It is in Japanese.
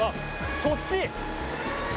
そっち？